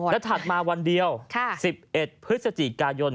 และถัดมาวันเดียว๑๑พฤศจิกายน